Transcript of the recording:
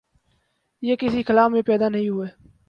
یہ کسی خلا میں پیدا نہیں ہوئے۔